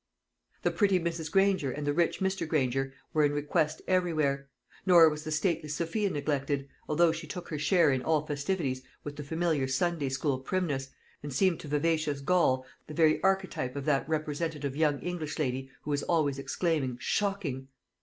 The pretty Mrs. Granger and the rich Mr. Granger were in request everywhere; nor was the stately Sophia neglected, although she took her share in all festivities with the familiar Sunday school primness, and seemed to vivacious Gaul the very archetype of that representative young English lady who is always exclaiming "Shocking!"